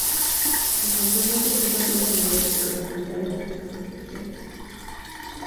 El campeonato fue patrocinado por la Junta de Protección Social.